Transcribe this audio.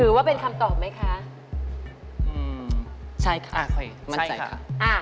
ว่าเป็นคำตอบไหมคะอืมใช่ค่ะมั่นใจค่ะอ่า